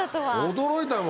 驚いたよ。